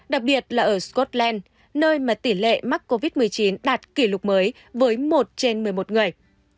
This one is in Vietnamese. đặc biệt là ở scotland nơi mà tỷ lệ mắc covid một mươi chín đạt kỷ lục mới với một trên một mươi một người